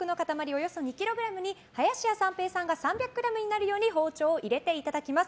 およそ２ｋｇに、林家三平さんが３００ｇになるように包丁を入れていただきます。